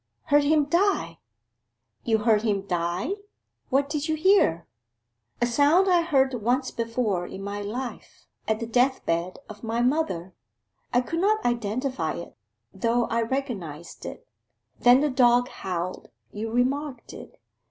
'Heard him die!' 'You heard him die? What did you hear?' 'A sound I heard once before in my life at the deathbed of my mother. I could not identify it though I recognized it. Then the dog howled: you remarked it.